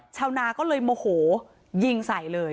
ชาวนาก็เลยโมโหยิงใส่เลย